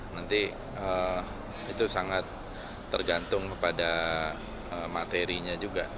nanti itu sangat tergantung kepada materinya juga